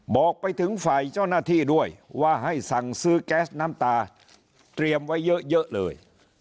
บอกไปถึงฝ่ายเจ้าหน้าที่ด้วยว่าให้สั่งซื้อแก๊สน้ำตาเตรียมไว้เยอะเลย